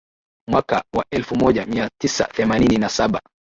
Mwaka wa elfu moja mia tisa themanini na saba